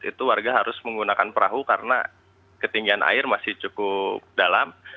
itu warga harus menggunakan perahu karena ketinggian air masih cukup dalam